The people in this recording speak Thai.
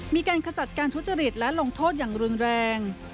มีการขจัดการทุจริตและลงโทษอย่างรุนแรง